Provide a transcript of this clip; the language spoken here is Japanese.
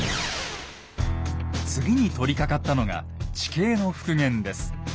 次に取りかかったのが地形の復元です。